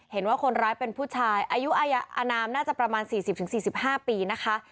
เห็นว่าคนร้ายเป็นผู้ชายอายุอานามน่าจะประมาณสี่สิบถึงสี่สิบห้าปีนะคะ